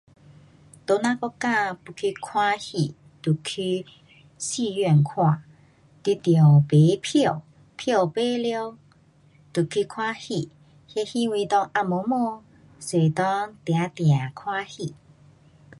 在咱国家要去看戏得去戏院看，你得买票，票买了就去看戏。那戏院内暗摸摸，做内静静看戏。